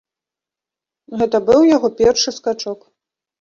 Гэта быў яго першы скачок.